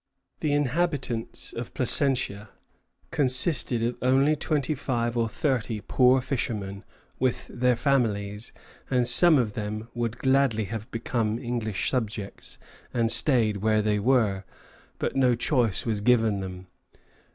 The inhabitants of Placentia consisted only of twenty five or thirty poor fishermen, with their families, and some of them would gladly have become English subjects and stayed where they were; but no choice was given them.